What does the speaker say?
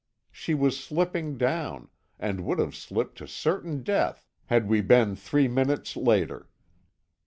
She was slipping down, and would have slipped to certain death had we been three minutes later.